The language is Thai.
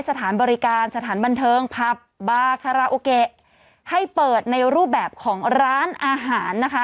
สถานบริการสถานบันเทิงผับบาคาราโอเกะให้เปิดในรูปแบบของร้านอาหารนะคะ